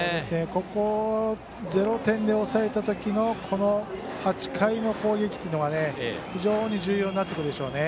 ここを０点に抑えた時のこの８回の攻撃っていうのは非常に重要になってくるでしょうね。